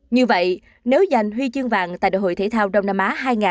như vậy nếu giành huy chương vàng tại đại hội thể thao đông nam á hai nghìn hai mươi bốn